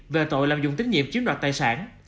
về tội làm dùng tín nhiệm chiếm đoạt tài sản